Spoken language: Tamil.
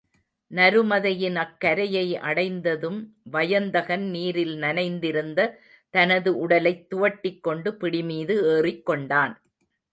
நருமதையின் அக் கரையை அடைந்ததும் வயந்தகன் நீரில் நனைந்திருந்த தனது உடலைத் துவட்டிக்கொண்டு பிடிமீது ஏறிக்கொண்டான்.